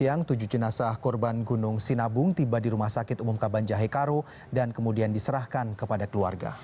siang tujuh jenazah korban gunung sinabung tiba di rumah sakit umum kabanjahe karo dan kemudian diserahkan kepada keluarga